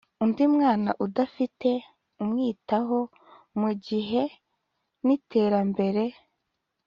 undi mwana udafite umwitaho mu gihe n Iterambere